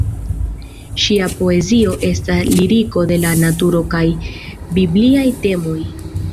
Ŝia poezio estas liriko de la naturo kaj bibliaj temoj.